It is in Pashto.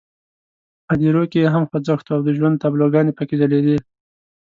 په هدیرو کې یې هم خوځښت وو او د ژوند تابلوګانې پکې ځلېدې.